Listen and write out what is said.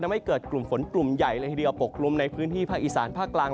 ทำให้เกิดกลุ่มฝนกลุ่มใหญ่เลยทีเดียวปกกลุ่มในพื้นที่ภาคอีสานภาคกลาง